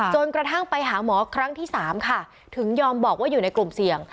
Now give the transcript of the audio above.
กระทั่งไปหาหมอครั้งที่๓ค่ะถึงยอมบอกว่าอยู่ในกลุ่มเสี่ยง